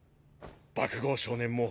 爆豪少年も。